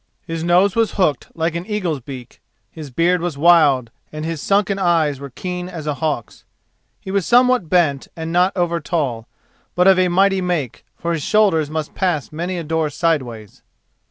His nose was hooked like an eagle's beak, his beard was wild and his sunken eyes were keen as a hawk's. He was somewhat bent and not over tall, but of a mighty make, for his shoulders must pass many a door sideways.